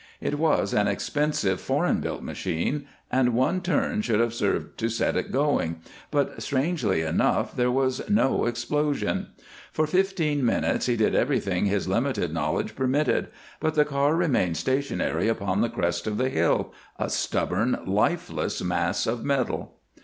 It was an expensive, foreign built machine, and one turn should have served to set it going, but, strangely enough, there was no explosion. For fifteen minutes he did everything his limited knowledge permitted, but the car remained stationary upon the crest of the hill, a stubborn, lifeless mass of metal.